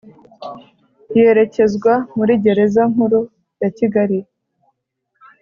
yerekezwa muri gereza nkuru ya kigali